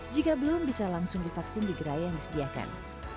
jika belum bisa langsung divaksin di gerai yang disediakan